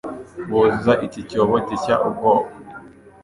Buzuza iki cyobo gishya ubwoba